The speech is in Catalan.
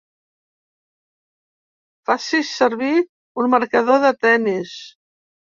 Facis servir un marcador de tennis.